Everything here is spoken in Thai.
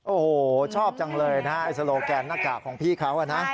โอ้โหชอบจังเลยนะฮะไอ้โซโลแกนหน้ากากของพี่เขานะ